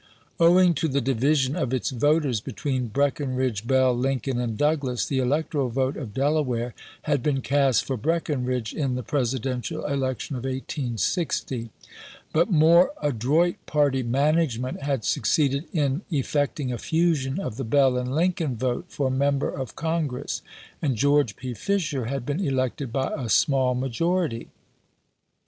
Owing to the division of its voters between Breckinridge, Bell, Lincoln, and Douglas, the electoral vote of Delaware had been cast for Breckinridge in the Presidential election of 1860 ; but more adroit party management had succeeded in effecting a fusion of the Bell and Lincoln vote for Member of Congress, and George P. Fisher had been elected by a small majority.